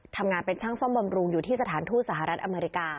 ทำงานทั้งเป็นช่องส้อมบำรุงอยู่ที่สถานที่ตรงกฎิเทศสหรัฐอเมอร์